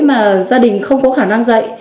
mà gia đình không có khả năng dạy